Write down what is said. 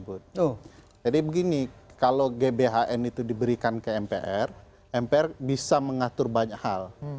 jadi begini kalau gbhn itu diberikan ke mpr mpr bisa mengatur banyak hal